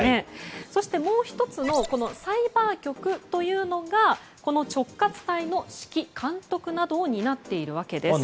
そして、もう１つサイバー局というのがこの直轄隊の指揮監督などを担っているわけです。